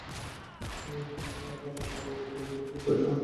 আর আমাকে আমার পরিজনের নিকট ব্যর্থ মনোরথ হয়ে ফিরিয়ে দিবেন না।